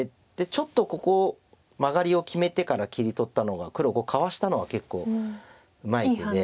ちょっとここマガリを決めてから切り取ったのが黒かわしたのは結構うまい手で。